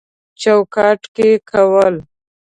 چوکاټ کې کول